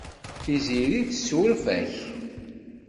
Tiziri tessuref-ak.